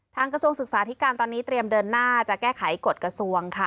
กระทรวงศึกษาธิการตอนนี้เตรียมเดินหน้าจะแก้ไขกฎกระทรวงค่ะ